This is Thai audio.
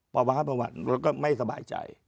ประวัติแล้วก็ไม่สบายใจ